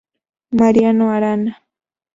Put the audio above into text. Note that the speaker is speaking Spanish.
Mariano Arana.